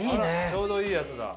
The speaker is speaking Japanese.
ちょうどいいやつだ。